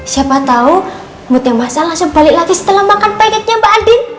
siapa tahu mudah mas al langsung balik lagi setelah makan pancake nya mbak andin